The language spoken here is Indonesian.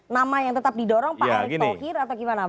nama yang tetap didorong pak erick thohir atau gimana